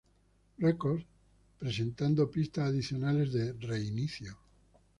Records, presentando pistas adicionales de "Reinicio.